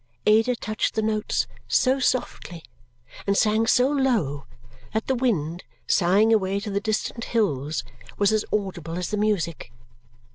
Ada touched the notes so softly and sang so low that the wind, sighing away to the distant hills, was as audible as the music.